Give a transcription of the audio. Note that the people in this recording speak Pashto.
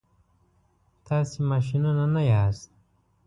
تاسي ماشینونه نه یاست.